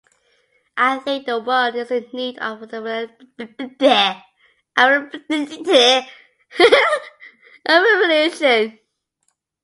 I think the world is in need of a revolution.